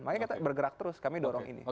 makanya kita bergerak terus kami dorong ini